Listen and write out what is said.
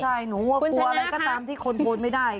ใช่หนูกลัวอะไรก็ตามที่คนบนไม่ได้